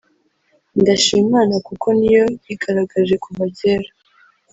« Ndashima Imana kuko ni yo yigaragaje kuva cyera